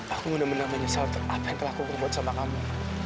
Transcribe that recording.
aku benar benar menyesal terhadap apa yang telah kukerbuat sama kamu